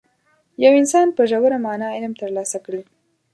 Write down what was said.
یو انسان په ژوره معنا علم ترلاسه کړي.